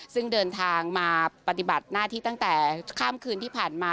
ซึ่งเดินทางมาปฏิบัติหน้าที่ตั้งแต่ข้ามคืนที่ผ่านมา